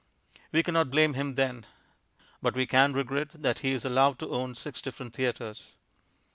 We cannot blame him then. But we can regret that he is allowed to own six different theatres.